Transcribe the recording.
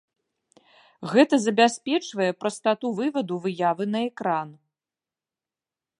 Гэта забяспечвае прастату вываду выявы на экран.